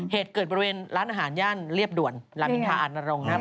เหตุเกิดบริเวณร้านอาหารย่านเรียบด่วนรามอินทาอันนรงค์นะครับ